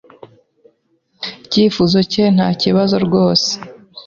Icyifuzo cye ntakibazo rwose.